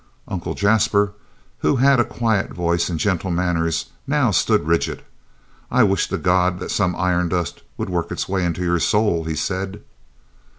Uncle Jasper, who had a quiet voice and gentle manners, now stood rigid. "I wisht to God that some iron dust would work its way into your soul," he said.